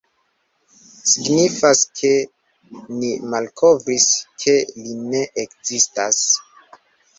Signifas ke ni malkovris ke li ne ekzistas!”.